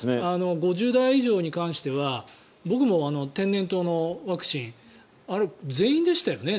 ５０代以上に関しては僕も天然痘のワクチンあれ、全員でしたよね？